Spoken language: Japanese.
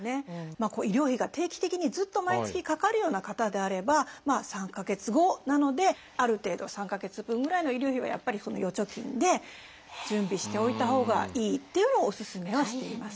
医療費が定期的にずっと毎月かかるような方であれば３か月後なのである程度３か月分ぐらいの医療費はやっぱり預貯金で準備しておいたほうがいいっていうのをおすすめはしています。